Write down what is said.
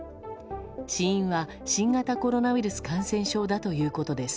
死因は新型コロナウイルス感染症だということです。